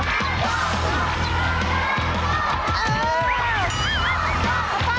อ้าว